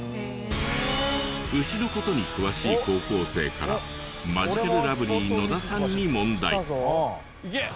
牛の事に詳しい高校生からマヂカルラブリー野田さんに問題。